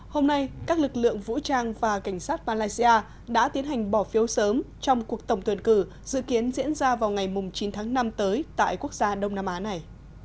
hôm nay các lực lượng vũ trang và cảnh sát malaysia đã tiến hành bỏ phiếu sớm trong cuộc tổng tuyển cử dự kiến diễn ra vào ngày chín tháng năm tới tại quốc gia đông nam á này